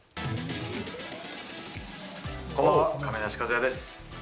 こんばんは、亀梨和也です。